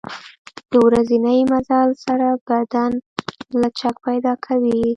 د ورځني مزل سره بدن لچک پیدا کوي.